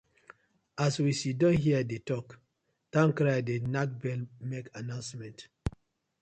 As we siddon here dey tok, towncrier dey nack bell mak annoucement.